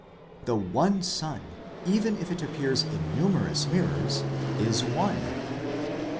The One Sun, even if it appears in numerous mirrors, is one.